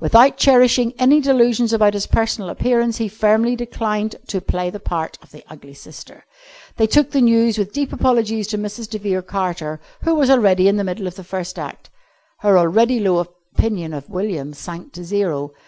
Without cherishing any delusions about his personal appearance, he firmly declined to play the part of the ugly sister. They took the news with deep apologies to Mrs. de Vere Carter, who was already in the middle of the first act. Her already low opinion of William sank to zero.